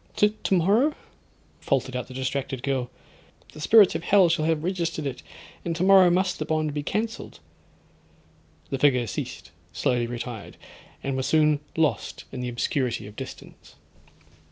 '—'Tomorrow?' faltered out the distracted girl; 'the spirits of hell shall have registered it, and tomorrow must the bond be cancelled.' The figure ceased—slowly retired, and was soon lost in the obscurity of distance.